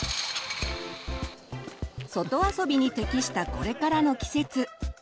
外遊びに適したこれからの季節。